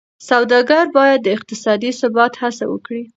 سوداګر باید د اقتصادي ثبات هڅه وکړي.